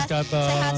terima kasih mas kato